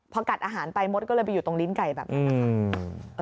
พอกัดอาหารไปมดก็เลยไปอยู่ตรงลิ้นไก่แบบนั้นนะคะ